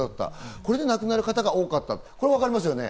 それで亡くなる方が多かった、分かりますよね？